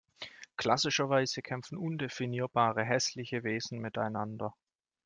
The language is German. Klassischerweise kämpfen undefinierbare hässliche Wesen miteinander.